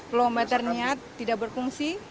pelometernya tidak berfungsi